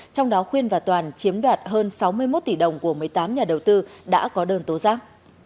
trong đó khuyên và toàn chiếm đoạt hơn sáu mươi một tỷ đồng của một mươi tám nhà đầu tư đã có đơn tố giác